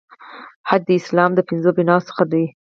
حج د اسلام د پنځو بناوو څخه دی.